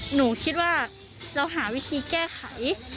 หนูคิดว่าเราหาวิธีแก้ไข